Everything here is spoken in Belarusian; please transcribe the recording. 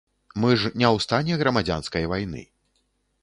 Мы ж не ў стане грамадзянскай вайны.